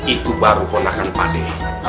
itu baru konakan pade